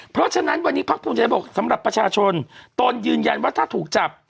เพราะฉะนั้นวันนี้พักภูมิใจบอกสำหรับประชาชนตนยืนยันว่าถ้าถูกจับ